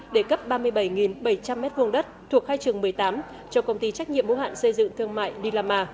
để cấp ba mươi bảy bảy trăm linh m hai thuộc khai trường một mươi tám cho công ty trách nhiệm bố hạn xây dựng thương mại dilama